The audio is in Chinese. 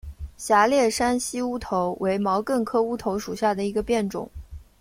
狭裂山西乌头为毛茛科乌头属下的一个变种。